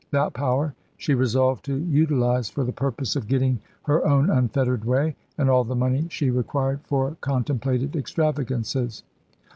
That power she resolved to utilise for the purpose of getting her own unfettered way, and all the money she required for contemplated extravagances.